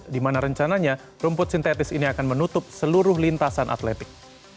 di mana rencananya rumput sintetis ini akan menutup seluruh lintasan atletik